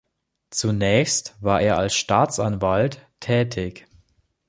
Zunächst war er als Staatsanwalt tätig.